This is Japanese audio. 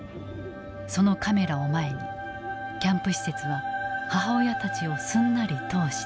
そのカメラを前にキャンプ施設は母親たちをすんなり通した。